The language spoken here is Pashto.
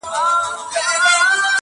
پور پر غاړه، غوا مرداره.